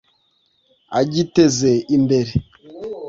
agiteza imbere